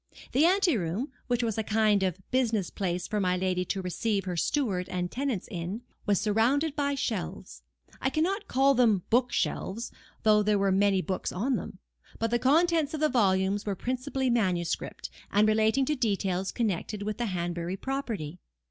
The anteroom, which was a kind of business place for my lady to receive her steward and tenants in, was surrounded by shelves. I cannot call them book shelves, though there were many books on them; but the contents of the volumes were principally manuscript, and relating to details connected with the Hanbury property.